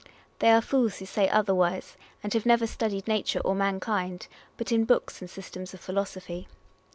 They are fools who say otherwise, and have never studied nature or mankind, but in books and systems of philosophy.